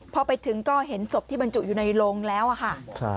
พอไปถึงก็เห็นศพที่บรรจุอยู่ในโรงแล้วอะค่ะ